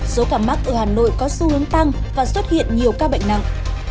số ca mắc ở hà nội có xu hướng tăng và xuất hiện nhiều ca bệnh nặng